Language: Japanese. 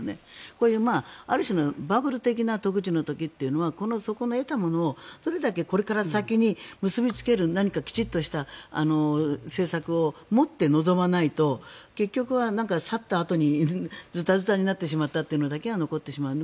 こういうある種のバブルみたいな特需の時というのはそこで得たものをどれだけこれから先に結びつける何かきちんとした政策を持って臨まないと結局去ったあとにずたずたになってしまったというのだけが残ってしまう。